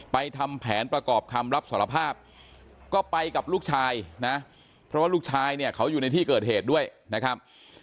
ทำแผนประกอบคำรับสารภาพก็ไปกับลูกชายนะเพราะว่าลูกชายเนี่ยเขาอยู่ในที่เกิดเหตุด้วยนะครับ